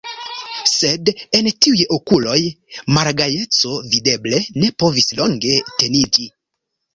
Sed en tiuj okuloj malgajeco videble ne povis longe teniĝi.